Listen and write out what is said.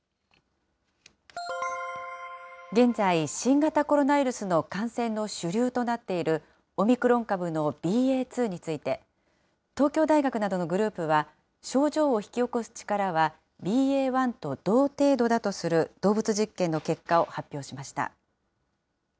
現在、新型コロナウイルスの感染の主流となっている、オミクロン株のＢＡ．２について、東京大学などのグループは、症状を引き起こす力は、ＢＡ．１と同程度だとする動物実験の結果を発表しました。